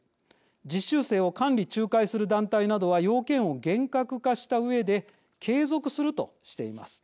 実習生を監理・仲介する団体などは要件を厳格化したうえで継続するとしています。